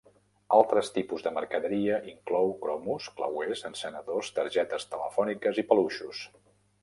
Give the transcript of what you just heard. Altres tipus de mercaderia inclou cromos, clauers, encenedors, targetes telefòniques i peluixos.